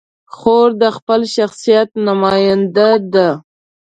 خور د خپل شخصیت نماینده ده.